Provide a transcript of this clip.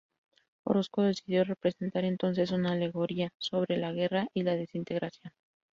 Orozco decidió representar entonces una alegoría sobre la guerra y la desintegración.